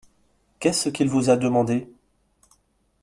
Qu’est-ce qu’il vous a demandé ?